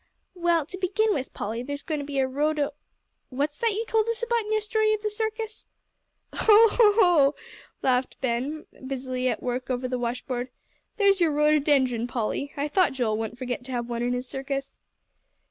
"Well, to begin with, Polly, there's going to be a rhodo What's that you told us about in your story of the circus?" "Hoh, hoh!" laughed Ben, busily at work over the washboard, "there's your rhododendron, Polly. I thought Joel wouldn't forget to have one in his circus."